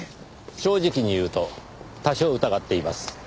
正直に言うと多少疑っています。